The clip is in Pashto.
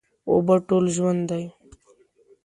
اوبه ټول ژوند دي.